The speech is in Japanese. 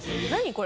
これ。